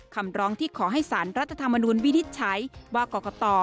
คำร้องที่ขอให้สารรัฐธรรมนุนวินิจฉัยว่ากรกต